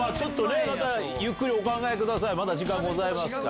ゆっくりお考えくださいまだ時間ございますから。